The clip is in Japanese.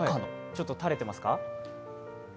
ちょっと垂れてますか？